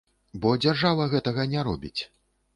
Бо дзяржава гэтага не робіць.